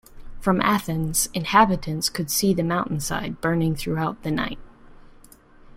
From Athens, inhabitants could see the mountainside burning throughout the night.